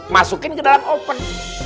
masukin kedalam oven